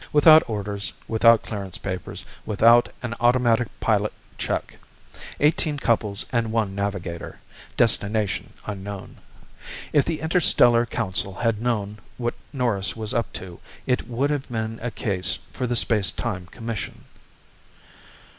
Without orders, without clearance papers, without an automatic pilot check. Eighteen couples and one navigator destination unknown. If the Interstellar Council had known what Norris was up to, it would have been a case for the Space Time Commission.